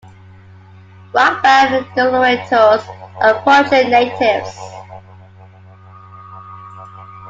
Rock band the Delorentos are Portrane natives.